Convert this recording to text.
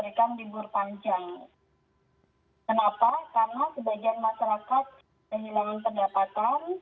karena sebagian masyarakat kehilangan pendapatan karena sebagian masyarakat terkena phk